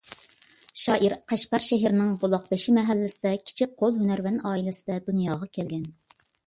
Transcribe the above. شائىر قەشقەر شەھىرىنىڭ بۇلاقبېشى مەھەللىسىدە كىچىك قول ھۈنەرۋەن ئائىلىسىدە دۇنياغا كەلگەن.